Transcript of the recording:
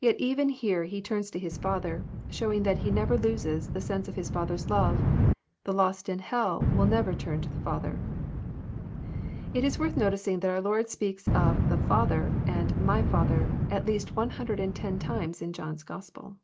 Yet even here He turns to His Father, showing that He never loses the sense of the Father's love. The lost in hell will never turn to the Father." It is worth noticing that our Lord speaks of " the Father '* and '*My Father" at least one hundred and ten times in John's Gospel.